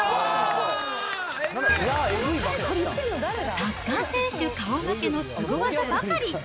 サッカー選手顔負けのすご技ばかり。